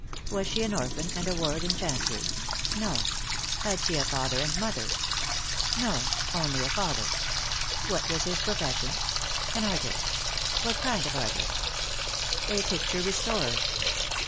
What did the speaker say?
Was she an orphan and a ward in Chancery P No. Had she a father and mother ? No ; only a father. What was his pro fession? An artist. What kind of artist P A picture restorer.